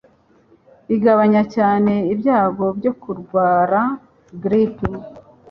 bigabanya cyane ibyago byo kurwara grippe